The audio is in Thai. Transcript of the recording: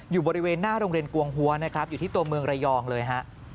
อยู่บริเวณหน้าโรงเรียนกวงหัวนะครับอยู่ที่ตัวเมืองระยองเลยฮะ